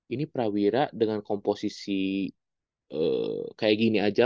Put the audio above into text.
ini prawira dengan komposisi kayak gini aja